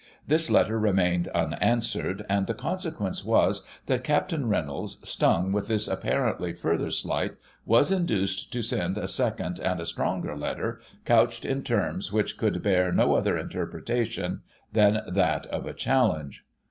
This letter remained unanswered, smd the consequence was, that Capt. Reynolds, stung with this apparently further slight, was induced to send a second and a stronger letter, couched in terms which could bear no other interpretation than that of a challenge.